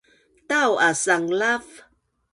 tau a sanglav